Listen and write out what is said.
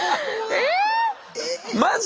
え？